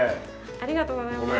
ありがとうございます。